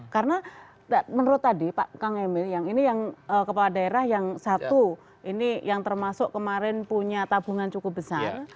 karena menurut tadi pak kang emil yang ini yang kepala daerah yang satu ini yang termasuk kemarin punya tabungan cukup besar